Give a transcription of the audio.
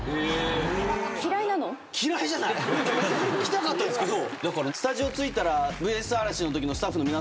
来たかったですけど。